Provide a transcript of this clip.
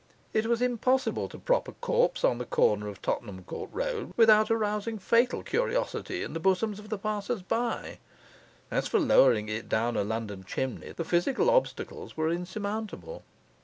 It was impossible to prop a corpse on the corner of Tottenham Court Road without arousing fatal curiosity in the bosoms of the passers by; as for lowering it down a London chimney, the physical obstacles were insurmountable.